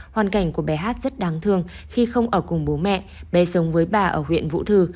hoàn cảnh của bé hát rất đáng thương khi không ở cùng bố mẹ bé sống với bà ở huyện vũ thư